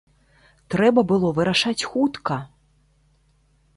Трэба было вырашаць хутка!